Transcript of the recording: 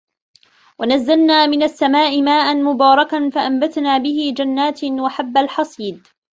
وَنَزَّلنا مِنَ السَّماءِ ماءً مُبارَكًا فَأَنبَتنا بِهِ جَنّاتٍ وَحَبَّ الحَصيدِ